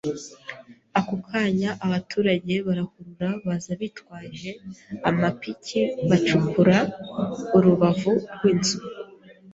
ako kanya abaturage barahurura baza bitwaje amapiki bacukura urubavu rw’inzu